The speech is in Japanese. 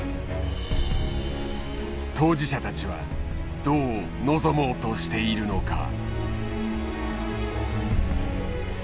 当事者たちはどう臨もうとしているのか。